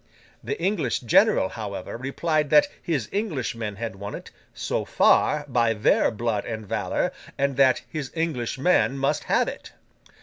The English general, however, replied that his English men had won it, so far, by their blood and valour, and that his English men must have it.